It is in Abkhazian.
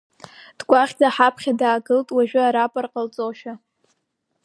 Дкәаӷӡа ҳаԥхьа даагылт, уажәы арапорт ҟалҵошәа.